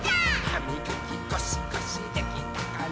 「はみがきゴシゴシできたかな？」